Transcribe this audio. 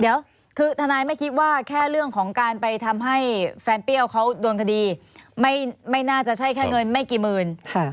เดี๋ยวคือทนายไม่คิดว่าแค่เรื่องของการไปทำให้แฟนเปรี้ยวเขาโดนคดีไม่น่าจะใช่แค่เงินไม่กี่หมื่น